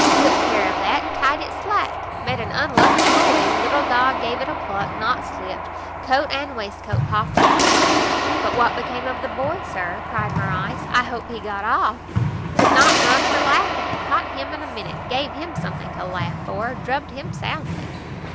"Took care of that, tied it slack. Met an unlucky boy; little dog gave it a pluck; knot slipt; coat and waistcoat popt out." "But what became of the boy, Sir?" cried Morrice, "I hope he got off?" "Could not run for laughing; caught him in a minute; gave him something to laugh for; drubbed him soundly."